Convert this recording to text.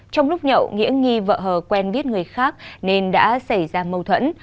trong lúc nhậu nghĩa nghi vợ hờ quen biết người khác nên đã xảy ra mâu thuẫn